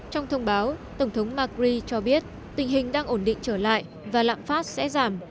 trong thông báo tổng thống macri cho biết tình hình đang ổn định trở lại và lạm phát sẽ giảm